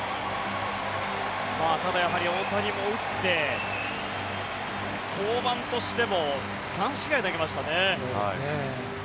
ただ、大谷も打って登板としても３試合投げましたね。